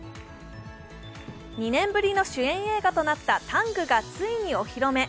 ２年ぶりの主演映画となった「ＴＡＮＧタング」がついにお披露目。